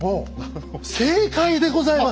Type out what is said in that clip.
正解でございます！